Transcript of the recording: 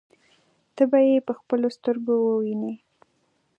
ته به يې په خپلو سترګو ووینې.